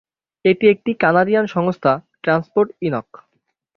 এটি একটি কানাডিয়ান সংস্থা, ট্রান্সপড ইনক।